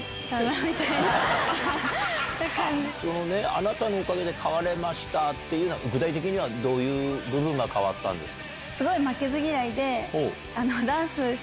「あなたのおかげで変われました」っていうのは具体的にはどういう部分が変わったんですか？